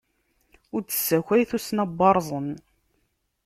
Ur d-ssakay tussna n waṛẓen!